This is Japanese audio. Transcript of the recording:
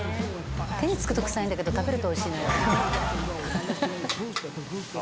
手につくとくさいんだけど食べるとおいしいのよああ